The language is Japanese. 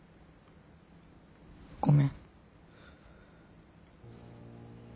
ごめん。